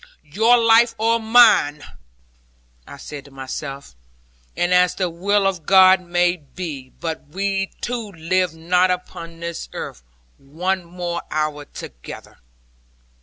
'Your life or mine,' I said to myself; 'as the will of God may be. But we two live not upon this earth, one more hour together.'